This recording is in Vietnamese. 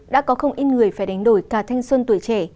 đã có không ít người phải đánh đổi cả thanh xuân tuổi trẻ